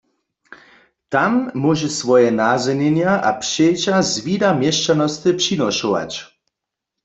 Tam móže swoje nazhonjenja a přeća z wida měšćanosty přinošować.